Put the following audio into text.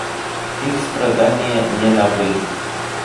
Их страдания не новы.